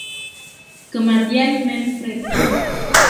Kematian Manfred.